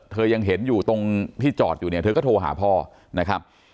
ยังเห็นอยู่ตรงที่จอดอยู่เนี่ยเธอก็โทรหาพ่อนะครับ